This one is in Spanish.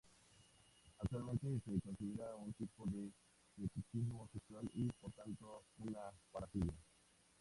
Actualmente se considera un tipo de fetichismo sexual y, por tanto, una parafilia.